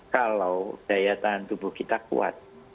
kalau daya tahan tubuh kita kuat